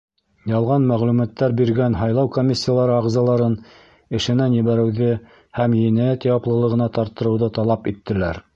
Ялған мәғлүмәттәр биргән һайлау комиссиялары ағзаларын эшенән ебәреүҙе һәм енәйәт яуаплылығына тарттырыуҙы талап иттеләр.